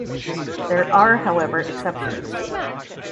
There are however exceptions.